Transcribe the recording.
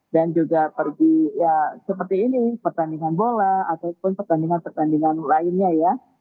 dan juga pergi ya seperti ini pertandingan bola ataupun pertandingan pertandingan lainnya ya